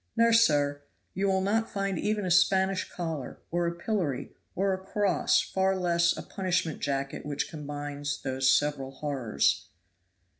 No, sir, you will not find even a Spanish collar, or a pillory, or a cross, far less a punishment jacket which combines those several horrors."